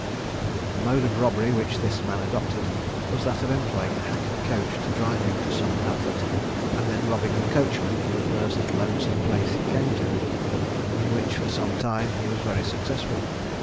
The mode of robbery which this man adopted, was that of employing a hackney coach to drive him to some outlet, and then robbing the coachman in the first lonesome place he came to; in which for some time he was very successful.